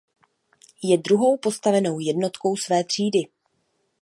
Je druhou postavenou jednotkou své třídy.